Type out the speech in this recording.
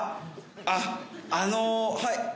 あっあのはい。